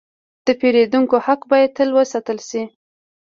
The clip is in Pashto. د پیرودونکو حق باید تل وساتل شي.